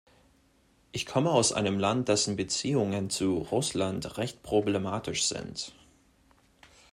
Ich komme aus einem Land, dessen Beziehungen zu Russland recht problematisch sind.